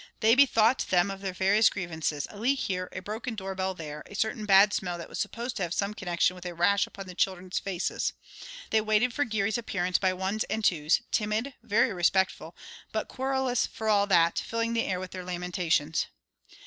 They bethought them of their various grievances, a leak here, a broken door bell there, a certain bad smell that was supposed to have some connection with a rash upon the children's faces. They waited for Geary's appearance by ones and twos, timid, very respectful, but querulous for all that, filling the air with their lamentations.